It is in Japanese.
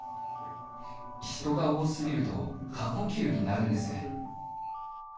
人が多すぎると過呼吸になるんです。